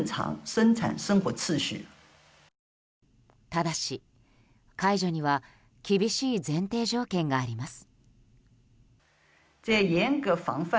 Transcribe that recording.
ただし、解除には厳しい前提条件があります。